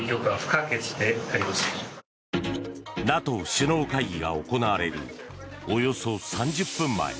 ＮＡＴＯ首脳会議が行われるおよそ３０分前。